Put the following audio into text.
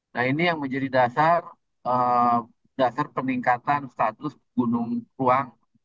nah ini yang menjadi dasar dasar peningkatan status gunung ruang